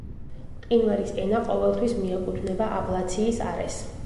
მყინვარის ენა ყოველთვის მიეკუთვნება აბლაციის არეს.